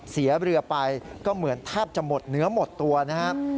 เสียเรือไปก็เหมือนแทบจะหมดเนื้อหมดตัวนะครับ